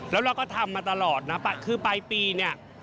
แล้วเราก็ทำมาตลอดนะคือปลายปีเนี่ย